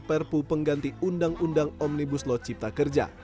perpu pengganti uu omnibus law cipta kerja